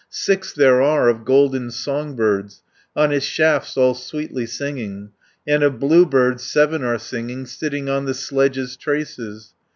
Six there are of golden song birds, On his shafts all sweetly singing, And of blue birds, seven are singing Sitting on the sledge's traces."